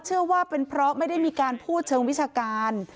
เชื่อว่าเป็นเพราะไม่ได้มีการพูดเชิงวิชาการ